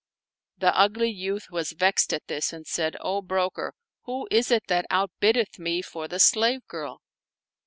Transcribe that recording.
The ugly youth was vexed at this and said, " O broker! who is it that outbiddeth me for the slave girl?"